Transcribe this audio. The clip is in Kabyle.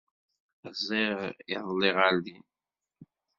Rziɣ iḍelli ɣer din.